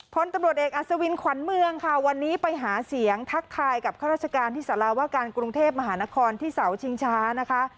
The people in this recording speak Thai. พลตำรวจเอกอัศวินขวัญเมืองค่ะวันนี้ไปหาเสียงทักทายกับข้าราชการที่สาราว่าการกรุงเทพมหานครที่เสาชิงช้านะคะ